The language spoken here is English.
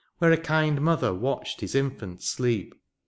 Where a kind mother watched his infant sleep.